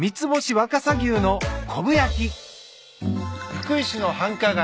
福井市の繁華街